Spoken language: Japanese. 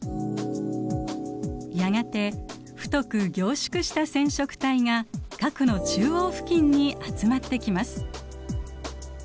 やがて太く凝縮した染色体が核の中央付近に集まってきます。